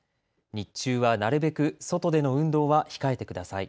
日中はなるべく外での運動は控えてください。